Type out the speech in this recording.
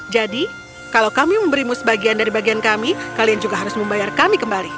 jadi kalau kami memberimu sebagian dari bagian kami kalian juga harus membayar kami kembali